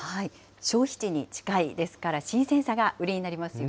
消費地に近いですから、新鮮さが売りになりますよね。